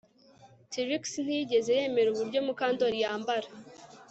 Trix ntiyigeze yemera uburyo Mukandoli yambara